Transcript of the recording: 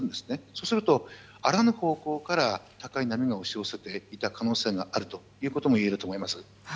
そうすると、あらぬ方向から高い波が押し寄せていた可能性があるといえると思います。